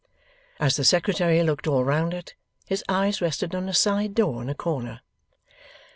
As the Secretary looked all round it, his eyes rested on a side door in a corner.